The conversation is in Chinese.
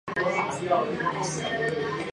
韦尼格罗德处于欧洲中部的温带气候区。